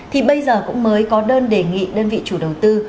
thì bây giờ cũng mới có đơn đề nghị đơn vị chủ đầu tư